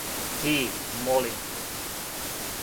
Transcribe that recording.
Ти, молим те.